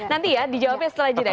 nanti ya dijawabnya setelah jeda